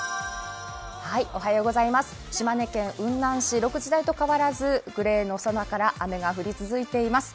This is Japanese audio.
島根県雲南市６時台と変わらず、グレーの空から雨が降り続いています。